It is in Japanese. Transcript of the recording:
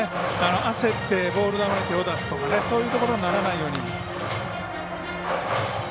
焦って、ボール球に手を出すとかそういうところにならないように。